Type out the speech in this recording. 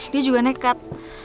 dia juga nekat